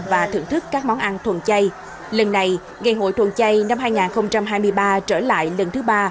và thưởng thức các món ăn thuần chay lần này ngày hội thuần chay năm hai nghìn hai mươi ba trở lại lần thứ ba